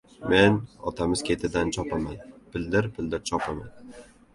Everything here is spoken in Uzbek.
Men otamiz ketidan chopaman. Pildir-pildir chopaman.